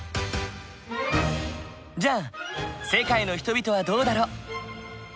じゃあ世界の人々はどうだろう？